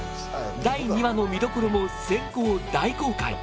第２話の見どころも先行大公開！